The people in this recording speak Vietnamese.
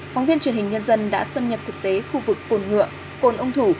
phóng viên truyền hình nhân dân đã xâm nhập thực tế khu vực cồn ngựa cồn ông thủ